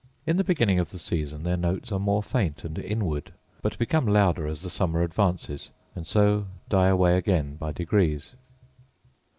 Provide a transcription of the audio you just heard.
In the beginning of the season, their notes are more faint and inward; but become louder as the summer advances, and so die away again by degrees.